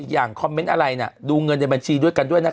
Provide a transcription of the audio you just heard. อย่างคอมเมนต์อะไรดูเงินในบัญชีด้วยกันด้วยนะคะ